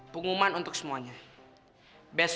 benci sama diri aku sendiri